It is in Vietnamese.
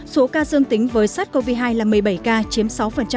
số ca dương tính với sars cov hai là một mươi bảy ca chiếm sáu